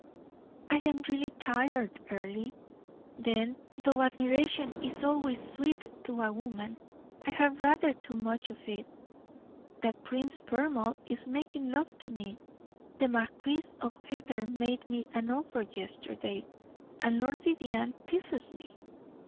"I am really tired, Earle. Then, though admiration is always sweet to a woman, I have rather too much of it. That Prince Poermal is making love to me, the Marquis of Heather made me an offer yesterday, and Lord Vivianne teases me.